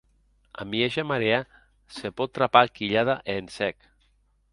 A mieja marèa se pòt trapar quilhada e en sec.